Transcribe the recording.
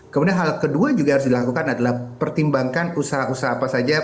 kemudian hal kedua juga harus dilakukan adalah pertimbangkan usaha usaha apa saja